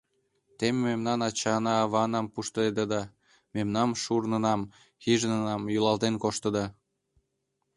Те мемнан ачана-аванам пуштедеда, мемнан шурнынам, хижинынам йӱлалтен коштыда.